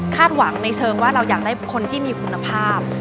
หวังในเชิงว่าเราอยากได้คนที่มีคุณภาพ